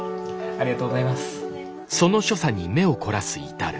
ありがとうございます。